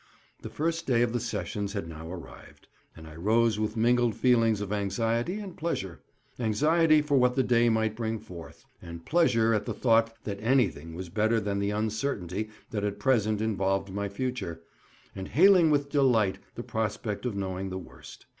The first day of the sessions had now arrived, and I rose with mingled feelings of anxiety and pleasure; anxiety for what the day might bring forth, and pleasure at the thought that anything was better than the uncertainty that at present involved my future, and hailing with delight the prospect of knowing the worst.